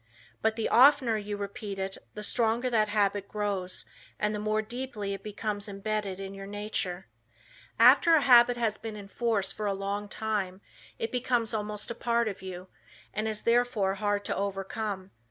But the oftener you repeat it the stronger that habit grows and the more deeply it becomes embedded in your nature. After a habit has been in force for a long time, it becomes almost a part of you, and is therefore hard to overcome.